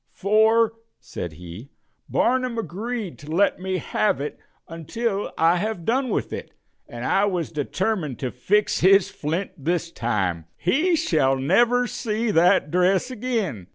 "For," said he, "Barnum agreed to let me have it until I have done with it, and I was determined to fix his flint this time. He shall never see that dress again."